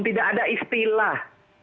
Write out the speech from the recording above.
tidak ada istilah